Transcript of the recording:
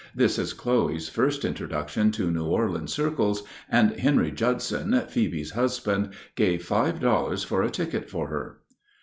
This is Chloe's first introduction to New Orleans circles, and Henry Judson, Phoebe's husband, gave five dollars for a ticket for her."